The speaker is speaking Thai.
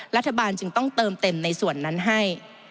รัฐบาลจึงต้องเติมเต็มในส่วนนั้นให้